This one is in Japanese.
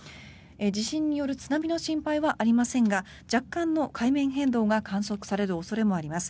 地震による津波の心配はありませんが若干の海面変動が観測される恐れがあります。